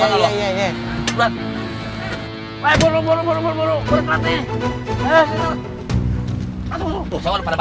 eh hazmat my pen